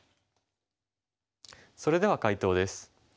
それでは解答です。